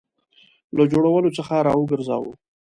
له جوړولو څخه را وګرځاوه.